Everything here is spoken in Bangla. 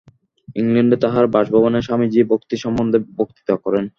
ইংলণ্ডে তাঁহার বাসভবনে স্বামীজী ভক্তি সম্বন্ধে বক্তৃতা করেন।